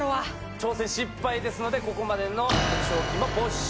挑戦失敗ですのでここまでの獲得賞金も没収。